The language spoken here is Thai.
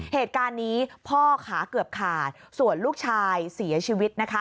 เหตุการณ์นี้พ่อขาเกือบขาดส่วนลูกชายเสียชีวิตนะคะ